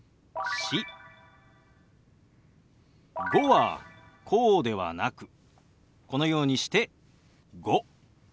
「５」はこうではなくこのようにして「５」。